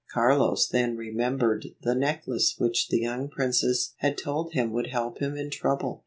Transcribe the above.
Carlos then remembered the necklace which the young princess had told him would help him in trouble.